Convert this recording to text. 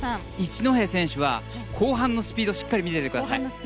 一戸選手は後半のスピードをしっかり見ていてください。